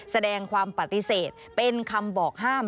แสดงความปฏิเสธเป็นคำบอกห้าม